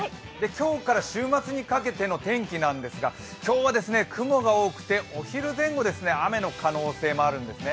今日から週末にかけての天気なんですが今日は雲が多くてお昼前後雨の可能性があるんですね。